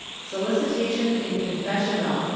Solicitation in Confessional .